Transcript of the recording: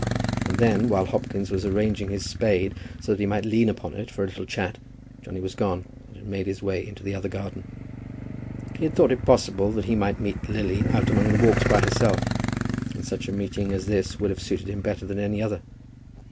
And then, while Hopkins was arranging his spade so that he might lean upon it for a little chat, Johnny was gone and had made his way into the other garden. He had thought it possible that he might meet Lily out among the walks by herself, and such a meeting as this would have suited him better than any other.